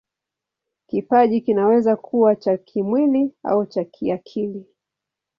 Kipaji kinaweza kuwa cha kimwili au cha kiakili.